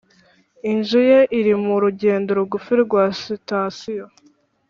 inzu ye iri mu rugendo rugufi rwa sitasiyo.